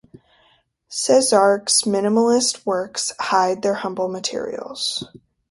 Cesark's minimalist works hide their humble materials.